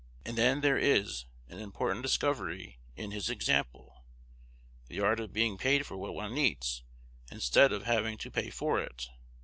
And then there is an important discovery in his example, the art of being paid for what one eats, instead of having to pay for it.